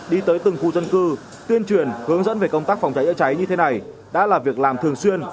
đi tới từng khu dân cư tuyên truyền hướng dẫn về công tác phòng cháy chữa cháy như thế này đã là việc làm thường xuyên